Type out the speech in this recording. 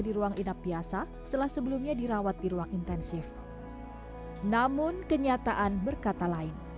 di ruang inap biasa setelah sebelumnya dirawat di ruang intensif namun kenyataan berkata lain